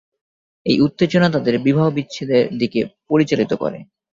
এই উত্তেজনা তাদের বিবাহবিচ্ছেদের দিকে পরিচালিত করে।